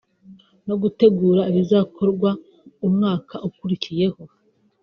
no gutegura ibizakorwa umwaka ukurikiyeho